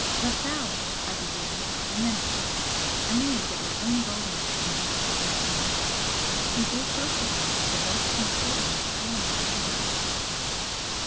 "Rafel " I began, and then paused, amazed at my own boldness in thus addressing him. He drew closer to me, the boat he stood in swaying under him.